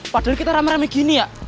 padahal kita rame rame gini ya